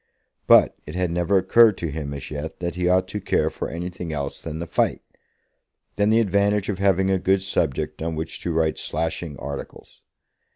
But it had never occurred to him as yet that he ought to care for anything else than the fight, than the advantage of having a good subject on which to write slashing articles.